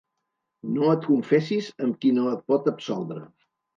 No et confessis amb qui no et pot absoldre.